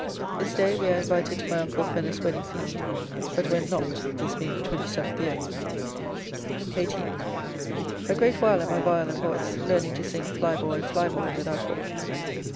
This day we are invited to my uncle Fenner's wedding feast, but went not, this being the 27th year. 18th. A great while at my vial and voice, learning to sing "Fly boy, fly boy," without book.